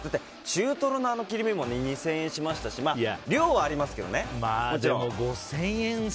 中トロの切り身も２０００円しましたし量はありますけどね。